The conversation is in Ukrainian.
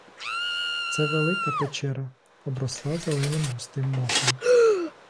Це велика печера, обросла зеленим густим мохом.